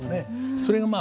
それがまあ